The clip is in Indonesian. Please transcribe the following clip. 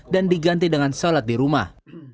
dan diganti dengan sholat di rumah